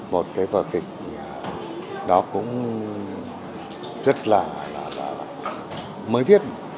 một cái vở kịch đó cũng rất là mới viết